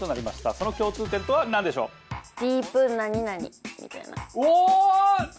その共通点とは何でしょうおー！